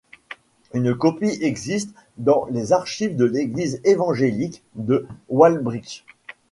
Une copie existe dans les archives de l'église évangélique de Wałbrzych.